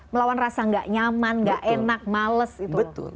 melawan rasa gak nyaman gak enak males gitu